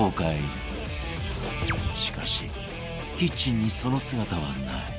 しかしキッチンにその姿はない